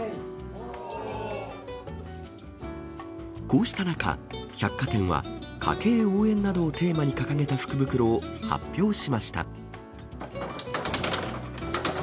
こうした中、百貨店は、家計応援などをテーマに掲げた福袋を発表しました。